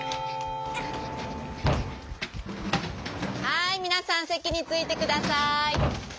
はいみなさんせきについてください！